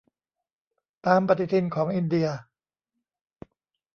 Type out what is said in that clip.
ตามปฏิทินของอินเดีย